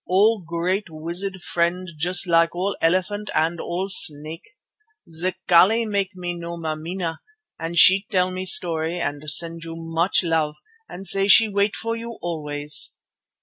All great wizard friend just like all elephant and all snake. Zikali make me know Mameena, and she tell me story and send you much love, and say she wait for you always."